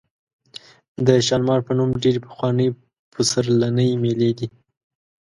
د شالمار په نوم ډېرې پخوانۍ پسرلنۍ مېلې دي.